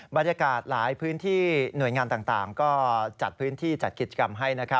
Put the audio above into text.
บรรยากาศหลายพื้นที่หน่วยงานต่างก็จัดพื้นที่จัดกิจกรรมให้